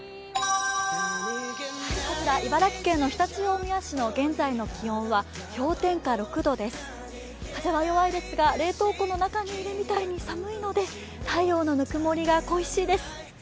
こちら茨城県の常陸大宮市の現在の気温は氷点下６度です、風は弱いですが冷凍庫の中にいるみたいに寒いので、太陽の温もりが恋しいです。